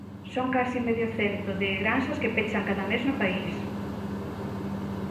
Son case medio cento de granxas que pechan cada mes no país.